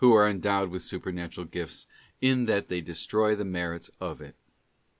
289 are endowed with supernatural gifts; in that they destroy the merits of it.